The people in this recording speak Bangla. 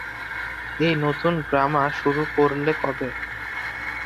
এই নতুন ড্রামা শুরু করলে কবে?